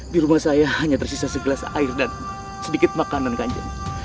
di rumah saya hanya tersisa segelas air dan sedikit makanan kanjeng